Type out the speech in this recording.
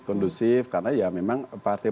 kondusif karena ya memang partai